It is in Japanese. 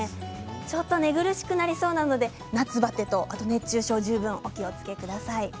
ちょっと寝苦しくなりそうなので夏バテと熱中症に十分お気をつけください。